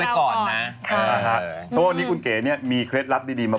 เอามันอันนี้ก่อนเลยดีกว่า